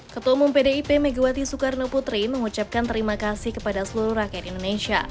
ketua umum pdip megawati soekarno putri mengucapkan terima kasih kepada seluruh rakyat indonesia